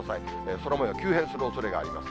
空もよう、急変するおそれがあります。